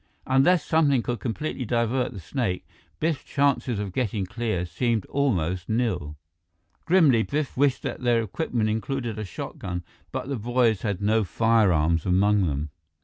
Unless something could completely divert the snake, Biff's chances of getting clear seemed almost nil. Grimly, Biff wished that their equipment included a shotgun, but the boys had no firearms among them.